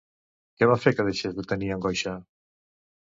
Què va fer que deixés de tenir angoixa?